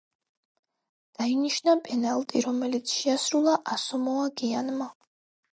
დაინიშნა პენალტი, რომელიც შეასრულა ასამოა გიანმა.